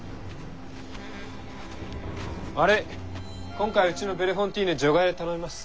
今回うちのベルフォンティーヌ除外で頼みます。